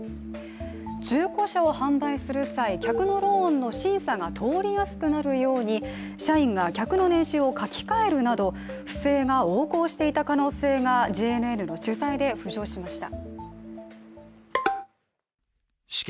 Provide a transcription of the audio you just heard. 中古車を販売する際、客のローンの審査が通りやすくするように社員が客の年収を書き換えるなど、不正が横行していた可能性がＪＮＮの取材で浮上しました。